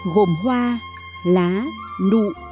gồm hoa lá nụ